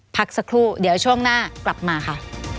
พักสักครู่เดี๋ยวช่วงหน้ากลับมาค่ะ